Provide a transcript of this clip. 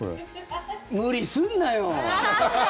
無理すんなよ。